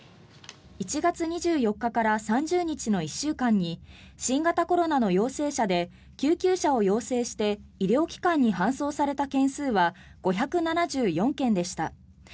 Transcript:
１月２４日から３０日の１週間に新型コロナの陽性者で救急車を要請して医療機関に搬送された件数は５７４件でした。